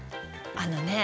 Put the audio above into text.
あのねえ。